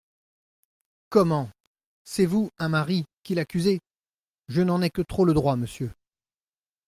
Comment ! c'est vous, un mari, qui l'accusez ? Je n'en ai que trop le droit, monsieur.